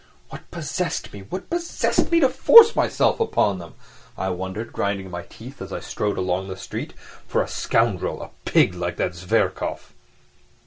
"What possessed me, what possessed me to force myself upon them?" I wondered, grinding my teeth as I strode along the street, "for a scoundrel, a pig like that Zverkov!